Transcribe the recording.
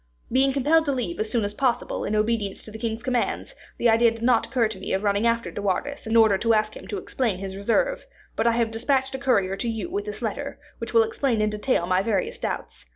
Being compelled to leave as soon as possible, in obedience to the king's commands, the idea did not occur to me of running after De Wardes in order to ask him to explain his reserve; but I have dispatched a courier to you with this letter, which will explain in detail my various doubts.